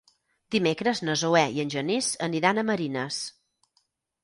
Dimecres na Zoè i en Genís aniran a Marines.